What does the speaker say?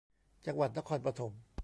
จังหวัดนครปฐม